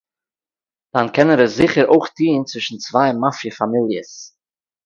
דאן קען ער עס זיכער אויך טאן צווישן צוויי מאפיע פאמיליעס